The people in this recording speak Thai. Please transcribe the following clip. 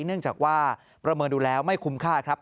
เนื่องจากว่าประเมินดูแล้วไม่คุ้มค่าครับ